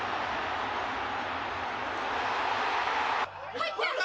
入った！